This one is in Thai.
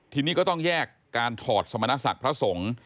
ทีนี้ก็ต้องแยกการถอดสมณศักดิ์พระสงฆ์